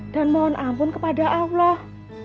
dan mohon ampun kepada allah